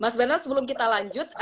mas bernard sebelum kita lanjut